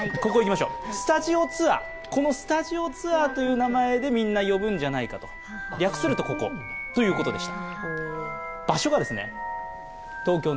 このスタジオツアーという名前でみんな呼ぶんじゃないかと略するとここということでした。